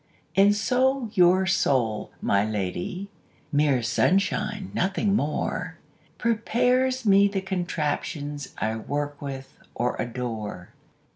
And so your soul, my lady (Mere sunshine, nothing more) Prepares me the contraptions I work with or adore.